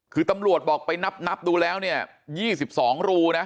คือตำรวจบอกไปนับนับดูแล้วเนี่ยยี่สิบสองรูนะ